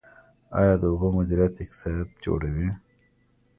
آیا د اوبو مدیریت اقتصاد جوړوي؟